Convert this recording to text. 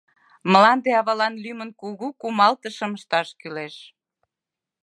— Мланде авалан лӱмын кугу кумалтышым ышташ кӱлеш.